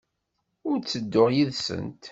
Ur ttedduɣ yid-sent.